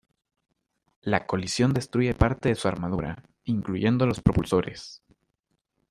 La colisión destruye parte de su armadura, incluyendo los propulsores.